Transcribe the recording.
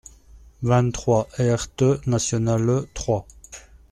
vingt-trois rTE NATIONALE trois